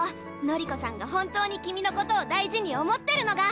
紀子さんが本当に君のことを大事に思ってるのが！